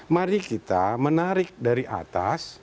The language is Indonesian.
mari kita menarik dari atas